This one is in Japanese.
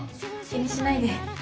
気にしないで。